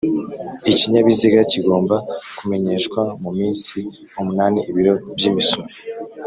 ikinyabiziga kigomba kumenyeshwa mu minsi umunani ibiro by'imisoro